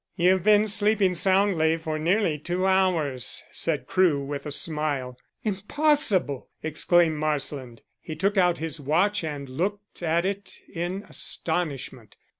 "You've been sleeping soundly for nearly two hours," said Crewe, with a smile. "Impossible!" exclaimed Marsland. He took out his watch and looked at it in astonishment.